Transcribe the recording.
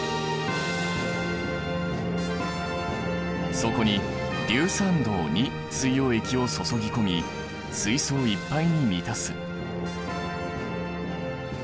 そこに硫酸銅水溶液を注ぎ込み水槽をいっぱいに満たす。